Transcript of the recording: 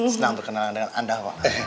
senang berkenalan dengan anda pak